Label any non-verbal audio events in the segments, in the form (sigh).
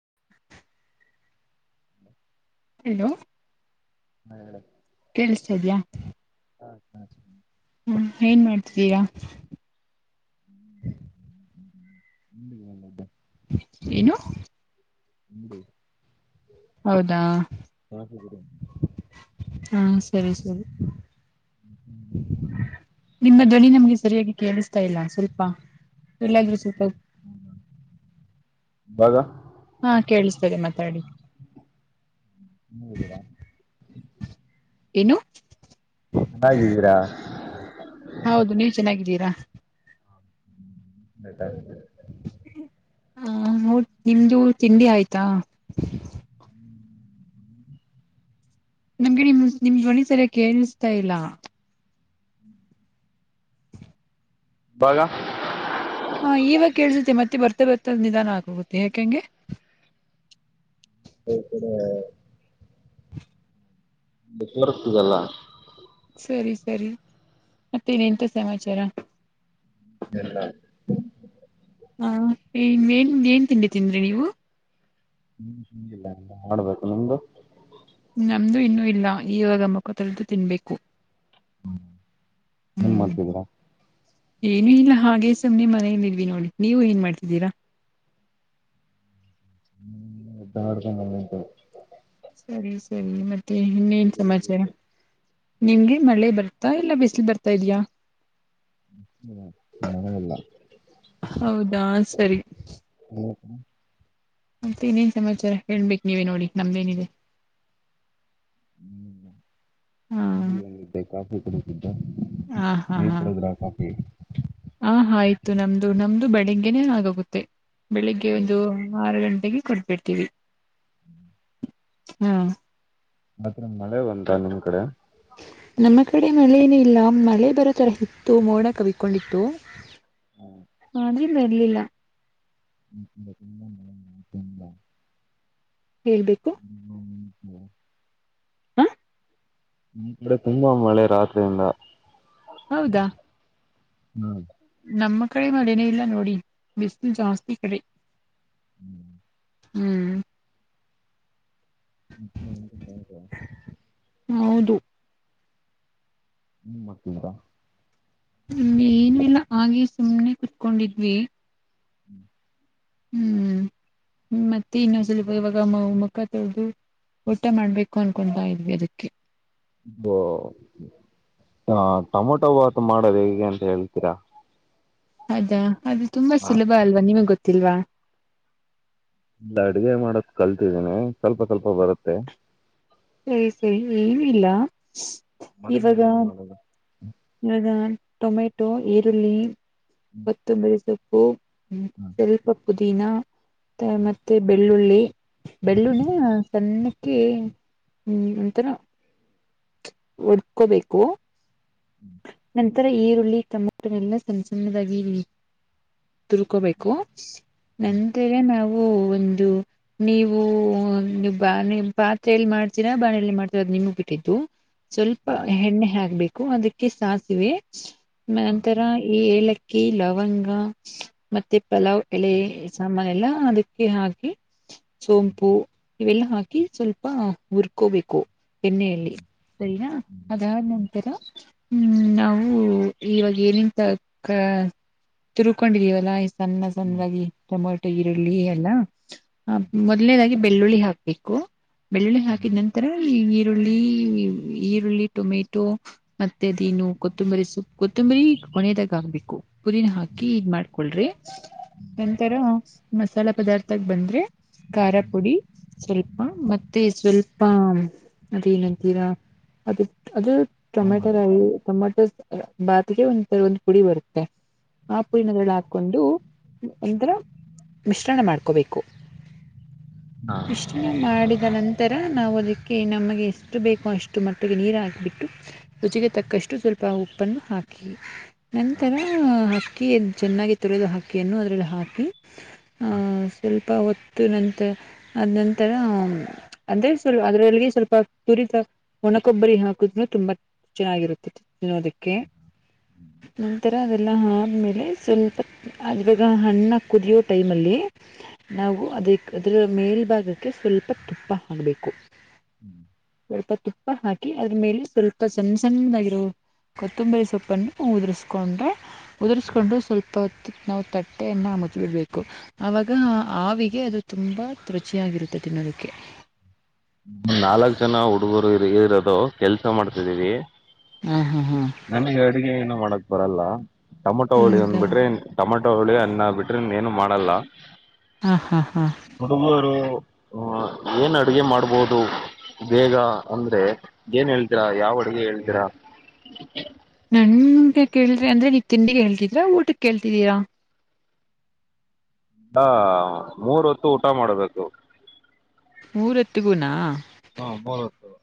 (inaudible) Hello. (inaudible) ಕೇಳಿಸತ ಇದಿಯಾ. ಹ್ಮ ಏನ್ ಮಾಡ್ತಿದ್ದೀರಾ. ಹ್ಮ್ ಹ್ಮ. (inaudible) ಏನು. ಹ. ಹೌದಾ ಹಾ ಸರಿ ಸರಿ ನಿಮ್ಮ ಧ್ವನಿ ನಮ್ಗೆ ಸರಿಯಾಗಿ ಕೇಳಿಸ್ತಾ ಇಲ್ಲ. ಸ್ವಲ್ಪ ಚುಳ್ಳಾದ್ರರು ಸ್ವಲ್ಪ. (unintelligible) ಹಾ ಕೇಳಿಸ್ತದೆ ಮಾತಾಡಿ. ಏನು ಚೆನ್ನಾಗಿದ್ದೀರಾ ಹೌದು ನೀವ್ ಚೆನ್ನಾಗಿದ್ದೀರಾ (unintelligible) ಹಾ ಹೊ ನಿಮ್ದು ತಿಂಡಿ ಆಯ್ತಾ. ನಮ್ಗೆ ನಿಮ್ ನಿಮ್ ಧ್ವನಿ ಸರಿಯಾಗ ಕೇಳಸ್ತಾ ಇಲ್ಲಾ. ಇವಾಗ ಹಾ ಈವಾಗ ಕೇಳಸುತ್ತೆ ಮತ್ತೆ ಬರ್ತ ಬರ್ತದ ನಿಧಾನ ಆಕೋಗುತ್ತೆ ಯಾಕ್ ಹಂಗೆ. ಈಕಡೆ (inaudible) ನೆಟ್ವರ್ಕ್ ಸಿಗಲ್ಲ. ಸರಿ ಸರಿ ಮತ್ತೆ ಇನ್ ಎಂತ ಸಮಾಚಾರ. (unintelligible) ಹ ಏನ್ ಏನ್ ಏನ್ ತಿಂಡಿ ತಿಂದ್ರಿ ನೀವು. ಇನ್ನು ತಿಂದಿಲ್ಲ ಇನ್ನ ಮಾಡಡ್ಬೇಕು ನಿಮ್ದು. ನಮ್ದು ಇನ್ನುೂ ಇಲ್ಲ ಈವಾಗ ಮುಖ ತೊಳೆದು ತಿನ್ಬೇಕು. ಹ್ಮ್ ಎನ್ ಹ್ಮ್ ಮಾಡ್ತಿದೀರಾ. ಏನು ಇಲ್ಲ ಹಾಗೆ ಸುಮ್ನೆ ಮನಲ್ಲಿದ್ವಿ ನೋಡಿ ನೀವು ಏನ್ ಮಾಡ್ತಿದ್ದೀರಾ. ಹ್ಮ್ (unintelligible) ಸರಿ ಸರಿ ಮತ್ ತ್ತೆ ಇನ್ನೇನ್ ಸಮಾಚಾರ ನಿಮಗೇ ಮಳೆ ಬರ್ ತಾ ಇಲ್ಲಾ ಬಿಸ್ಲ್ ಬರ್ತಾ ಇದ್ಯಾ. ಹ್ಮ್ ಹೌದಾ ಸರಿ ಮತ್ತೆ ಇನ್ನೇನ್ ಸಮಾಚಾರ ಹೇಳ್ಬೇಕ್ ನೀವೇ ನೋಡಿ ನಮ್ದೇನಿದೆ. ಹಾ ನೇಮ್ದಿ ಆಗಿರ್ಬೇಕ್ ಅದು. (unintelligible) ಹ ಹಾ ಹಾ ಆ ಹ ಆಯ್ ತ್ತು ನಮ್ದು ನಮ್ದು ಬೆಳಿಗ್ಗೆನೆೇ ಆಗೋಗುತ್ತೆ. ಬೆಳಿಗ್ಗೆ ಒಂದು ಆರು ಗಂ ಟೆಗೆ ಕೊಟ್ಬಿಡ್ತೀವಿ. (unintelligible) ಹ್ಮ ಮಾತ್ತೆ ಮಳೆ ಬಂತಾ ನಿಮ್ ಕಡೆ. ನಮ್ಮ ಕಡೆ ಮಳೆ ಏನು ಇಲ್ಲ ಮಳೆ ಬರೋ ಥರ ಇತ್ತು ಮೋಡ ಕವಿಕೊಂಡಿತ್ತು. (unintelligible) ಬರಲಿಲ್ಲ (unintelligible) ಹೇಳ್ಬೇಕು (inaudible) ಹ ನಮ್ ಕಡೆ ತುಂಬಾ ಮಳೆ ರಾತ್ರಿಯಿಂದ. ಹೌದಾ ಹ್ಮ್ ನಮ್ಮ ಕಡೆ ಮಳೆನೇ ಇಲ್ಲ ನೋಡಿ ಬಿಸಲು ಜಾಸ್ತಿ ಈ ಕಡೆ. ಹ್ಮ್ ಹ್ಮ್ (inaudible) ಹೌದು ಏನ್ ಮಾಡ್ತಿದೀರಾ ಏನು ಇಲ್ಲ ಹಾಗೆ ಸುಮ್ನೆ ಕುತ್ಕೊಂಡಿದ್ವಿ. ಹ್ಮ್ ಹ್ಮ ಮತ್ತೆ ಇನ್ನೊಂದ್ ಸ್ವಲ್ಪ ಇವಾಗ ಮು ಮುಖ ತೊಳೆದು ಊಟ ಮಾಡ್ಬೇಕು ಅನ್ಕೊಂತಾ ಇದ್ವಿ ಅದಿಕ್ಕೆ ಓ ಟೊಮೊಟೊ ಆ ಬಾತ್ ಮಾಡೋದು ಹೆಂಗೆ ಅಂತ ಹೇಳ್ತೀರಾ. ಅದಾ ಅದು ತುಂಬಾ ಹಾ ಸುಲಭ ಅಲ್ವಾ ನಿಮಗೆ ಗೊತ್ ತಿಲ್ವಾ ಇಲ್ಲ ಅಡ್ಗೆ ಮಾಡದು ಕಲ್ತಿದ್ದೀನಿ ಸ್ವಲ್ಪ ಸ್ವಲ್ಪ ಬರುತ್ತೆ. ಸರಿ ಸರಿ ಏನು ಇಲ್ಲ ಮೊದಲಿಗೆ ಏನು ಮಾಡದು. ಈವಾಗ ಟೊಮೆಟೊ ಈರುಳ್ಳಿ. ಹ್ಮ್ ಮತ್ತೆ ಬೇಯಿಸೋದು ಹೂ ಹ್ಮ್ ಸ್ವಲ್ಪ ಪುದೀನಾ ಮತ್ತೆ ಮತ್ತೆ ಬೆಳ್ಳುಳ್ಳಿ ಈರುಳ್ಳಿ ಹ್ಮ್ ಬೆಳ್ಳುಳ್ಳಿ ಸಣ್ಣಕೆ ಹ್ಮ್ ಒಂಥರಾ ಒಡ್ಕೋಬೇಕು ಹ್ಮ್ ಒಂಥರಾ ಈರುಳ್ಳಿ ಟೊಮೆಟೊನೆಲ್ಲ ಸಣ್ಣ ಸಣ್ಣದಾಗಿ ಇ ತುರ್ಕೋಬೇಕು ಹ್ಮ್ ನಂತರ ನಾವು. ಹೂಂ ಒಂದು ನೀವು ನೀ ಬ ಪಾತ್ರೆಯಲ್ಲಿ ಮಾಡ್ತೀರಾ ಬಾಣಲಿ ಮಾಡ್ತೀರಾ ಅದು ನಿಮಿಗೆ ಬಿಟ್ಟಿದ್ದು. ಸ್ವಲ್ಪ ಹ್ಮ್ ಎಣ್ಣೆ ಹಾಕ್ಬೇಕ್ ಕು ಅದ್ ಕೆಸಾಸಿವೆ. ಹ್ಮ್ ಹಾ ಮನ್ಂತರ ಯೆ ಎಲಕ್ ಕ್ಕಿ ಲವಂಗ ಮತ್ತೆ ಪಲಾವ್ ಎಳ ಸಾಮಾನ ಎಲ್ಲ ಅದಕ್ಕೆ ಹಾಕಿ ಸೋಂಪು ಇವೆಲ್ಲ ಹಾಕಿ ಸ್ವಲ್ಪ ಹುರ್ಕೋಬೇಕು. ಎಣ್ಣೆಯಲ್ಲಿ ಹ್ಮ್ ಸರಿನಾ ಹ್ಮ್ ಹ್ಮ್ ಅದಾದ ನಂತರ. ಹ್ಮ್ ನಾವು ಇವಾಗ್ ಏನಂತ ತಿರುಕೊಂಡಿದೀವಲ್ಲಾ. ಸಣ್ಣ ಹ್ಮ್ ಹ್ಮ್ ಸಣ್ಣದಾಗಿ ಟೊಮೊಟೊ ಹಾ ಈರುಳ್ಳಿ ಎಲ್ಲ ಹ್ಮ್ ಮೊದನೇದಾಗಿ. ಬೆಳ್ಳುಳ್ಳಿ ಹಾಕ್ಬೇಕು. ಬೆಳ್ಳುಳ್ಳಿ ಹ್ಮ್ ಹಾಕಿದ ನಂತರ ಈ ಈರುಳ್ಳಿ ಈರುಳ್ಳಿ ಟೊಮೆಟೊ ಮತ್ ಮತ್ತೆ ಅದೇನು ಕೊತ್ತಂಬರಿ ಸೊಪ್ ಕೊತ್ತಂಬರಿ ಕೊನೆದಾಗ ಹಾಕ್ಬೇಕು ಪುದಿನ ಹಾಕಿ ಇದನ್ನ ಮಾಡ್ಕೊಳ್ರಿ ನಂತರ ಮಸಾಲೆ ಪದಾರ್ಥಗ್ ಬಂದ್ರೆ ಖಾರ ಪುಡಿ ಸ್ವಲ್ಪ ಮತ್ತೆ ಸ್ವಲ್ಪ ಅದೇನಂತೀರಾ ಅದು ಅದು. ಟೊಮೆಟ್ ಸಾಂಬಾರ (unintelligible) ಟೊಮೆಟೊ ಅಲ್ಲ ಬಾತಿಗೆ ಒಂದ್ ಒಂದ್ ಪುಡಿ ಬರುತ್ತೆ ಆ ಪುಡಿನ ಅದ್ರಲ್ಲಿ ಹಾಕೊಂಡು ಅಂದ್ರ ಮಿಶ್ರಣ ಮಾಡ್ಕೋಬೇಕು. ಹಾ ಇಷ್ಟಿನ ಮಾಡಿದ ನಂತರ. ನಾವು ಅದಕ್ಕೆ ನಮಗೆ ಎಷ್ಟು ಬೇಕೋ ಅಷ್ಟು ಮಟ್ಟಿಗೆ ನೀರು ಹಾಕಿಬಿಟ್ಟು. ರುಚಿಗೆ ತಕ್ಕಷ್ಟು ಸ್ವಲ್ಪ ಉಪ್ಪನ್ನು ಹಾಕಿ ಹಾ ಹಾ ನಂತರ ಅಕ್ಕಿ ಚೆನ್ನಾಗಿ ತುರಿದು ಅಕ್ಕಿಯನ್ನು ಅದ್ರಲ್ಲಿ ಹಾಕಿ ಆಹ ಸ್ವಲ್ಪ ಹೊತ್ತು ನಂತರ ಅದ ನಂತರ ಅಂದ್ರೆ ಸ್ವಲ್ ಅದರಲ್ಲಿಗೆ ಸ್ವಲ್ಪ ತುರಿದ ಒಣ ಕೊಬ್ಬರಿ ಹಾಕುದ್ ತುಂಬಾ. ಚೆನ್ನಾಗಿರುತ್ತೆ ತಿನ್ನೋದಕ್ಕೆ. (unintelligible) ನಂತರ ಅದೆಲ್ಲ ಆದ್ಮೇಲೆ ಸ್ವಲ್ಪ ಇವಾಗ ಅನ್ನ ಕುದಿಯೋ ಟೈಮಲ್ಲಿ ನಾವು ಅದಕ್ಕೆ ಅದರ ಮೇಲ್ಭಾಗಕ್ಕೆ ಸ್ವಲ್ಪ ತುಪ್ಪ ಹಾಕ್ಬೇಕು. ಸ್ವಲ್ಪ ತು ಪ್ಪ ಹಾಕಿ ಅದರ ಮೇಲೆ ಸ್ವ ಲ್ಪ ಸಣ್ ಸಣ್ಣದ ಆಗರೋ ಕೊತ್ತಂಬರಿ ಸೊಪ್ಪನ್ನು ಉದುರ್ಸ್ಕೊಂಡೆ. ಉದುರಿಸ್ಕೊಂಡು ಸ್ವಲ್ಪ. ನಾವು ತಟ್ಟೆಯನ್ನ ಮುಚ್ಚಬಿಡ್ಬೇಕು ಆವಾಗ ಆವಿಗೆ ಅದು ತುಂಬಾ ತ್ರುಚಿಯಾಗಿರುತ್ತೆ ತಿನ್ನೋದೀಕ್ಕೆ. ನಾಲ್ಕ್ ಜನ ಹುಡುಗರು ಹುಡುಗೀರ್ ಇರೋದ್ ಕೆಲ್ಸ ಮಾಡ್ತಿದೀವಿ. ಹಾ ನಮಿಗ್ ಅಡುಗೆ ಏನು. ಮಾಡಕ್ ಬರಲ್ಲ. ಟಮೊಟೋ ಹುಳಿ ಒಂದ ಹೌದಾ ಬಿಟ್ರೆ ಟಮೊಟ್ ಟೊಮೆಟೊ ಹುಳಿ ಅನ್ನ ಬಿಟ್ರೆ ಇನ್ನ ಏನು ಮಾಡಲ್ಲ. ಹಾ ಹಾ ಹಾ. ಹ ಏನ್ ಅಡುಗೆ ಮಾಡ್ಬೋದು ಬೇಗ ಅಂದ್ರೆ. ಏನ್ ಹೇಳ್ತೀರಾ ಯಾವ್ ಅಡುಗೆ ಹೇಳಿ ತೀರ. (unintelligible) ನನ್ಗೆ ಕೇಳಿ ಅಂದ್ರೆ ನೀವು ತಿಂಡಿ ಹೇಳ್ತಿದ್ರಾ ಊಟಕ್ಕೆ ಕೇಳ್ತಿದ್ದೀರಾ. ಬಾ ಮೂರ ಹೊತ್ತು ಊಟ ಮಾಡಬೇಕು. ಮೂರಹೋತ್ತಿಗುನಾ. ಹ ಬ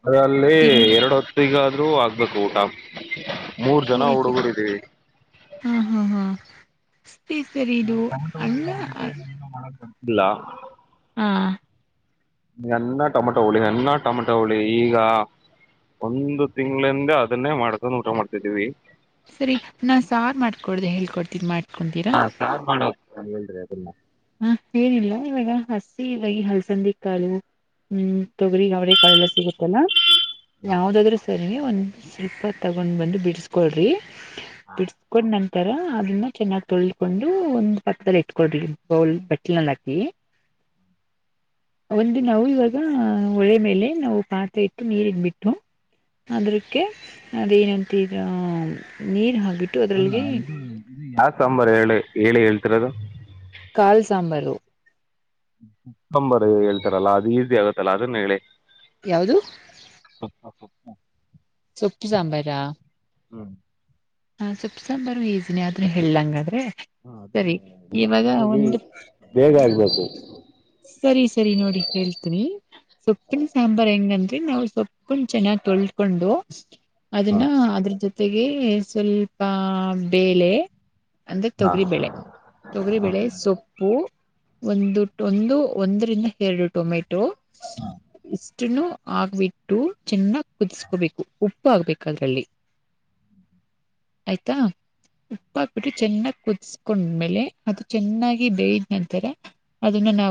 ಅದರಲ್ಲಿ ಎರಡು ಹೊತ್ತಿಗೆ. (unintelligible) ಆಗ್ಬೇಕು ಊಟ. ಮೂರ್ ಜನ ಸರಿ ಸರಿ ಹುಡುಗರಿದ್ದೀವಿ ಹಾ ಹಾ ಹಾ ಸರಿ ಸರಿ ನಾ ಇದು ಟಮಟೊ ಹೋಳಿ ಅನ್ನಾ. ಒಂದ್ ಬಿಟ್ರೆ ನೀನು (unintelligible) ಹಾ. ಅನ್ನ ಟೊಮೊಟೋ ಹುಳಿ ಅನ್ನ ಟೊಮೆಟೋ ಹುಳಿ ಈಗಾ ಒಂದು ತಿಂಗಳಿಂದ ಅದನ್ನೇ ಮಾಡ್ಕೊಂಡ ಊಟ ಮಾಡ್ತಿದ್ದೀವಿ. ಸರಿ ನಾನ್ ಸಾರ್ ಮಾಡ್ಕೊಡ್ದ ಹೇಳ್ಕೊಡ್ತಿದ್ ಮಾಡ್ ಹ ಸಾರ್ ಮಾಡದ ಇಲ್ಲ. ಹ ಏನಿಲ್ಲ ಇವಾಗ ಹಸಿ ಇವಾಗಿ ಹಲ್ಸಂದಿ ಕಾಳು ಹ್ಮ್ ತೊಗರಿ ಅವ್ರ ಕಾಳೆಲ್ಲ ಸಿಗುತ್ತಲ್ಲಾ. ಯಾವದಾದ್ರು. ಸರಿ ಒಂದು ಸ್ವಲ್ಪ ತಗೊಂಡು ಬಂದು ಬಿಡಿಸ್ಕೊಳ್ರಿ. ಹಾ ಬಿಡ್ಸ್ಕೊಂಡ ನನ್ ತರ ಅದನ್ನ ಚೆನ್ನಾಗ್ ತೊಳಕೊಂಡು ಒಂದ್ ಪಕ್ಕದಲ್ಲಿ ಇಟ್ಕೊರೀ. ಬೌಲ್ ಬಟ್ಲಿನಲ್ಲಿ ಹಾಕಿ ಒಂದ ನಾವು ಇವಾಗ ಹೊಳೆ ಮೇಲೆ ನಾವು ಪಾತ್ ಇಟ್ಟು ನೀರ್ಟ್ಬಿಟ್ಟು ಅದ್ರಕ್ಕೆ ಅದೇಏನಂತರ ನೀರ್ ಹಾ ಅಲ್ಲ ಅದು ಯಾ ಸಾಂಬಾರ ಹೇಳಿ. ಹೇಳಿ ಹೇಳ್ತಿರದು. ಕಾಳು (unintelligible) ಕುಕ್ಕಂಬರ್ ಹೇಳ್ತಾರಲ್ಲಾ ಅದು ಈಸಿ ಆಗತ್ತಲ್ಲಾ ಅದನ್ನ ಹೇಳಿ. ಯಾವದು. ಸೊಪ್ಪ ಸಾಂಬಾರಾ. ಹ್ಮ್. ಹ ಸೊಪ್ಸಂಬರ್ ಈಸಿನಿ ಆದ್ರೆ ಹೇಳಲಂಗಾದ್ರೆ. ಹಾ ಅದ ನನಗೆ ಬೇಗ ಆಗ್ಬೇಕು. ಸರಿ ಸರಿ ನೋಡಿ ಹೇಳ್ತನಿ ಸೊಪ್ಪಿನಿ ಸಾಂಬಾರ್ ಹೆಂಗ (unintelligible) ಸೊಪ್ಪನ್ ಚೆನ್ನಾಗ್ ತೊಳ್ಕೊಂಡು. ಹಾ ಅದನ್ನ ಅದ್ರ ಜೊತೆ. ಜೊತೆಗೆ ಸ್ವಲ್ಪ ಬೇಳೆ ಅಂದ್ರೆ ಹಾ ತೊಗರಿಬೇಳೆ ತೊಗರಿಬೇಳೆ ಕಾಳು ಸೊಪ್ಪು ಒಂದು ಒಂದು ಒಂದರಿಂದ ಎರಡು ಟೊಮೆಟೊ ಇಷ್ಟನ್ನು ಆಗ್ಬಿಟ್ಟು ಚಿನ್ನ ಕುದಿಸ್ಕಡಿ ಉಪ್ಪ ಉಪ್ಪು ಹಾಕ್ಬೇಕ ಅದ್ರಲ್ಲಿ ಆಯ್ತಾ ಉಪ್ಪು ಹಾಕ್ಬಿಟ್ಟು ಚೆನ್ನಾಗಿ ಕುದಿಸಕೊಂಡ್ಮೇಲೆ ಅದು ಚೆನ್ನಾಗಿ ಬೆಯ್ದ ನಂತರ ಅನ್ನ ನ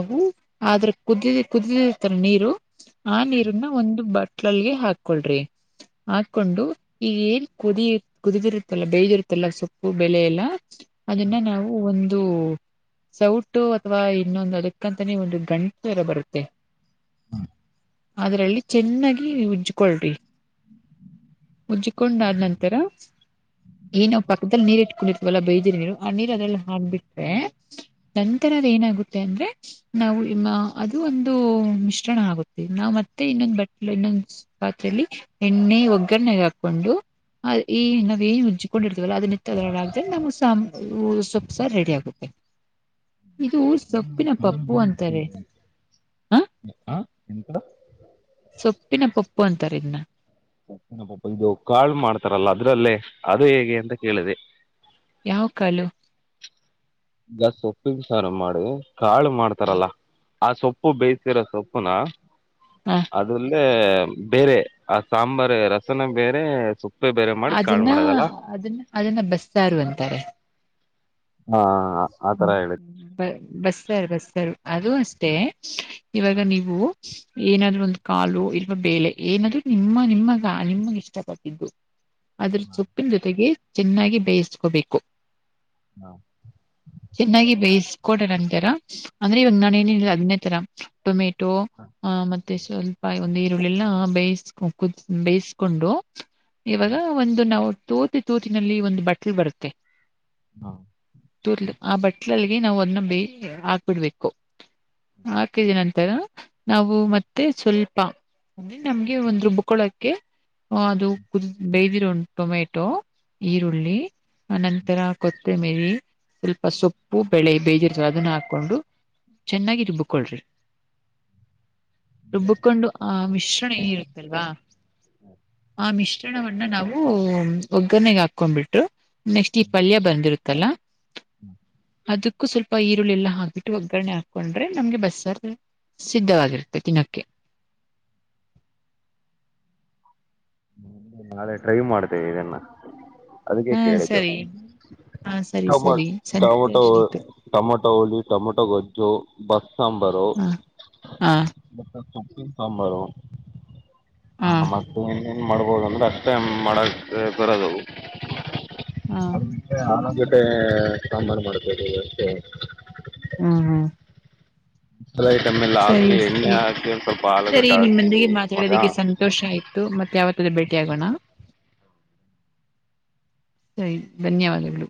ಕುದಿತ್ತ ನೀರು ಆ ನೀರನ್ನ ಒಂದು ಬಟ್ಲಲ್ಗೆ ಹಾಕಳ್ರಿ ಹಾಕೊಂಡು ಈಗ ಏನ್ ಕುದಿ ಕುದಿದಿರುತ್ತಲ್ಲ ಬೇದಿರುತ್ತಲ್ಲ ಸೊಪ್ಪು ಬೆಳ ಎಲ್ಲ ಅದನ್ನ ನಾವು ಒಂದು ಸೌಟು ಅಥವಾ ಇನ್ನೊಂದು ಅದಕ್ಕಂತಾನೆ ಒಂದು ಗಂಟೆರ ಬರುತ್ತೆ ಅದ್ರಲ್ಲಿ ಚೆನ್ನಾಗಿ ಉಜ್ಜ್ಕಳ್ರಿ ಉಜ್ಜಕೊಂಡ ಆದ್ ನಂತರ ಏನಾವ್ ಪಕ್ಕದಲ್ಲಿ ನೀರ್ ಇಟ್ಕೊಂಡಿತ್ವಲ್ಲ ಬೈದಿರಿ ನೀರು ಆ ನೀರ್ ಅದಲ್ಲ ಆದನಂತರ ನೀರ್ ಹಾಕಬಿಟ್ರೆ ನಂತರ ಅದ ಏನಾಗುತ್ತೆ ಅಂದ್ರೆ ನಾವು ಅದು ಒಂದು ಮಿಶ್ರಣ ಆಗುತ್ತೆ ನಾವ್ ಮತ್ತೆ ಇನ್ನೊಂದ ಬಟ್ ಇನ್ನೊಂದ ಪಾತ್ರಲ್ಲಿ ಎಣ್ಣೆ ಒ ಕನಗ್ ಹಾಕೊಂಡು ಈ ನಾವವು ಏನ್ ಉಜ್ಜಕೊಂಡಿರ್ತವಲ್ಲ ಅದ ನಿತ್ತದ ಆ್ರ (unintelligible) ನಮ್ ಉ ಸೊಪ್ಪು ಸ ರೆಡಿ ಆಗುತ್ತೆ ಇದು ಊರ್ ಸೊಪ್ಪು ಹ ಹ ಎಂತ (inaudible) ಸೊಪ್ಪಿನ ಪೊಪ್ಪು ಅಂತಾರ ಇದನ ಒಂದು ಕಾಳ್ ಮಾಡ್ತಾರಲ್ಲ ಅದ್ರಲ್ಲೇ ಅದು ಹೇಗೆ ಅಂತ ಕೇಳಿದೆ ಯಾವ ಕಲು ಗಸ್ ಸೊಪ್ಪಿ ಸಾರ ಮಾಡಿ ಕಾಳು ಮಾಡ್ತಾರಲ್ಲ ಆ ಸೊಪ್ಪು ಬೇಯ್ಸಿರೋ ಸೊಪ್ಪುನಾ ಹ ಅದಲ್ಲಿ ಮ ಬೇರೆ ಆ ಸಾಂಬಾರ್ ರಸನ ಬೇರೆ ಸ ಅದನ್ನ ಅದನ್ನ ಅದನ್ನ ಬಸ್ತಾರು ಅಂತಾರೆ ಹಾ ಆತರ ಹೇಳಿದ್ ಹ್ಮ ಬಸ್ತಾರ ಬಸ್ತಾರ ಅದು ಅಷ್ಟೇ ಇವಾಗ ಹ ನೀವು ಏನಾದ್ರು ಒಂದು ಕಾಲು ಇಲ್ವಾ ಬೇಳೆ ಏನಾದ್ರು ನಿಮ್ಮ ನಿಮಗ ನಿಮಗೆ ಇಷ್ಟಪಟ್ಟಿದ್ದು ಅದ್ರ ಹಾ ಸೊಪ್ಪಿನ ಜೊತೆಗೆ ಚೆನ್ನಾಗಿ ಬೇಯಿಸ್ಕೋಬೇಕು ಹಾ ಚೆನ್ನಾಗಿ ಬೇಯಿಸಕೊಡರ್ ಅಂತರ ಅಂದ್ರೆ ಇವಾಗ ನಾನ ಏನಲ್ಲ ಹದನೇ ತರ ಟೊಮೆಟ ಟೊಮೆಟೊ ಹಾ ಆ ಮತ್ತೆ ಮತ್ತೆ ಸ್ವಲ್ಪ ಒಂದು ಈರುಳ್ಳೆಲ್ಲ ಬೇಯಿಸ ಕ ಬೇಯಿಸ್ಕೊಂಡು ಇವಾಗ ಒಂದು ನಾವು ತೋತಿ ತೋತಿನಲ್ಲಿ ಒಂದು ಬಟ್ಲು ಬರುತ್ತೆ ಹಾ ತೋತ್ಲು ಆ ಬಟ್ಲಲ್ಗೆ ನಾವು ಅದನ್ನ ಬೇಯ ಹಾಕ್ಬಿಡ್ಬೇಕು ಹಾಕಿದ ನಂತರ ನಾವು ಮತ್ತೆ ಸ್ವಲ್ಪ ಅಂದ್ರೆ ನಮ್ಗೆ ಒಂದು ರುಬ್ಕೊಳಕ್ಕೆ ಅದು ಕುದ ಬೇಯ್ದಿರೋ ಟೊಮೆಟೊ ಈರುಳ್ಳಿ ಅನಂತರ ಕೊ ಮೇರೀ ಸೊಪ್ಪು ಬೆಳೆ ಬೇಜಿರ್ತ ಅದನ್ನ ಹಾಕೊಂಡು ಚೆನ್ನಾಗಿ ರುಬ್ಕೊಳ್ರಿ ಆಮೇಲೆ ರುಬ್ಬಕೊಂಡು ಆ ಮಿಶ್ರಣ ಏ ಇರುತ್ತಲ್ವಾ ಆ ಮಿಶ್ರ ಚಿಣವನ್ನ ನಾವು ಒಗ್ಗರಣಗ್ ಹಾಕೊಂಡ್ಬಿಟ್ರು ನೆಕ್ಸ್ಟ್ ಈ ಪಲ್ಯ ಬಂದಿರುತ್ತಲ್ಲ ಅದಕ್ಕೂ ಸ್ವಲ್ಪ ಈರುಳ್ಳಿಲ್ಲಾ ಹಾಕ್ಬಿಟ್ಟು ಒಗ್ಗರಣೆ ಹಾಕೊಂಡ್ರೆ ನಮ್ಗೆ ಬಸ್ಸರ್ ಸಿದ್ಧವಾಗಿರುತ್ತೆ ದಿನಕ್ಕೆ ನ ನಾಳೆ ಟ್ರೈ ಮಾಡ್ತೇವೆ ಇದನ್ನ ಅದಕ್ಕೆ ಹಾ ಕೇಳಿದ್ದು ಸರಿ ಹಾ ಸರಿ ಟಮ ಸರಿ ಟೊಮೊಟೋ ಸಂತೋಷ ಆಯ್ತು ಟೊಮೊಟೋ ಹುಳಿ ಟೊಮೊಟೊ ಗೊಜ್ಜು ಬಸ್ ಸಾಂಬಾರು ಹ ಹಾ ಸಾಂಬಾರು ಹಾ ಮತ್ತೆ ಏನು ಮಾಡ್ಬೋದು ಅಂದ್ರರೆ ಅಷ್ಟ ಟೈಮ್ ಮಾಡೋಕ್ಕೆ ಬರೋದುವು (inaudible) ಹಾ ಅವನ ಜೊತೆ ಸಾಂಬಾರು ಮಾಡ್ಬೇು ಅಷ್ಟೇ ಹ್ಮ್ ಹ್ಮ್ ಮಸಾಲೆ ಐಟಮ್ ಎಲ್ಲ ಸರಿ ಹಾಕಿ ಎಣ್ಣೆ ಸರಿ ಹಾಕಿ ಒಂದ್ ಸ್ವಲ್ಪ ಸರಿ ಆಲೂಗಡ್ಡೆ ಹಾಕಿ ನಿಮ್ಮಂದಿಗೆ ಮಾಡ್ದ ಮಾತಾಡೋದಕ್ಕೆ ಸಂತೋಷ ಆಯ್ತು ಮತ್ತ ಯಾವತ್ತಾದ ಬೆ ಸಿಗೋಣ ಸರಿ ಧನ್ಯವಾದಗಳು